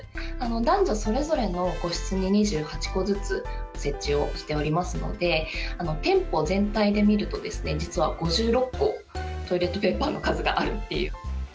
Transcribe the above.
男女それぞれの個室に２８個ずつ設置をしておりますので、店舗全体で見ると、実は５６個、トイレットペーパーの数があるっていう。